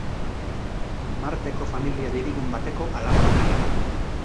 Marteko familia dirudun bateko alaba bakarra da.